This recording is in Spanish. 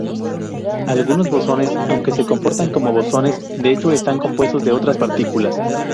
Algunos bosones, aunque se comportan como bosones, de hecho están compuestos de otras partículas.